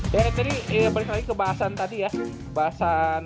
dan ini balik lagi ke bahasan tadi ya bahasan